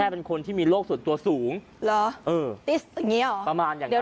แค่เป็นคนที่มีโรคส่วนตัวสูงหรอเออประมาณอย่างนั้น